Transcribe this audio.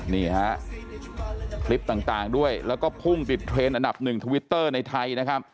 นี่ฮะคลิปต่างด้วยแล้วก็พุ่งติดเทรนด์อันดับหนึ่งทวิตเตอร์ในไทยนะครับ